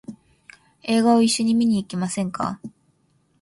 映画を一緒に見に行きませんか？